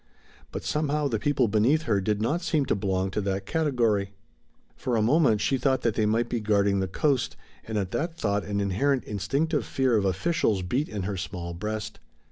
But somehow the people beneath her did not seem to belong to that category. For a moment she thought that they might be guarding the coast, and at that thought an inherent instinctive fear of officials beat in her small breast.